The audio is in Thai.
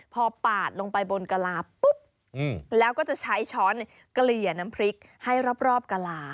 พอปาดลงไปบนกะลาปุ๊บแล้วก็จะใช้ช้อนเกลี่ยน้ำพริกให้รอบกะลา